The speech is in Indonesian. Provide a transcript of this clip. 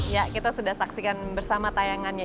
ya kita sudah saksikan bersama tayangannya